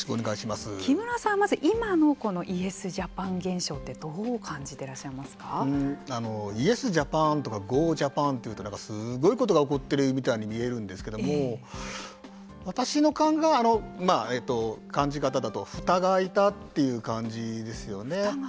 木村さんはまず今のイエスジャパン現象ってイエスジャパンとかゴージャパンというとすごいことが起こってるみたいに見えるんですけれども私の感じ方だとふたが開いたという感じですよね。